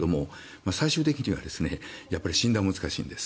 最終的には診断が難しいんです。